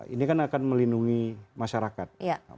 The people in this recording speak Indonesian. ini kan akan melindungi masyarakat